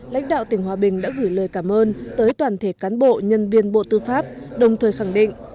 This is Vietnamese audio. lãnh đạo tỉnh hòa bình đã gửi lời cảm ơn tới toàn thể cán bộ nhân viên bộ tư pháp đồng thời khẳng định